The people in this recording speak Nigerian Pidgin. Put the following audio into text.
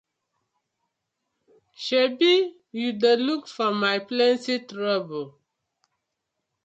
Sebi yu dey look for my plenty trouble.